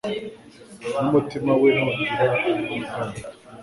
n’umutima we ntugire uburiganya